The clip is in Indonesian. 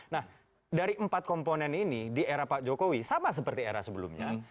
nah dari empat komponen ini di era pak jokowi sama seperti era sebelumnya